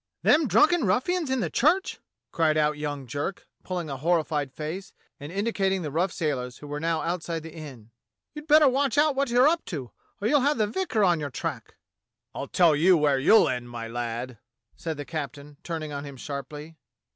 "Them drunken ruffians in the church!" cried out young Jerk, pulling a horrified face, and indicating the rough sailors who were now outside the inn. "You'd better watch out what you're up to, or you'll have the vicar on your track." "I'll tell you where you'll end, my lad," said the captain, turning on him sharply.